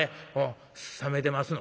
冷めてますの？